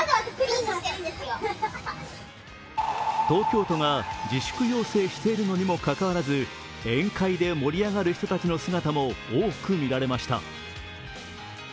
東京都が自粛要請しているにもかかわらず宴会で盛り上がる人たちも多く見られました。